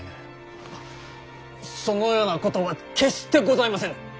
そのようなことは決してございませぬ。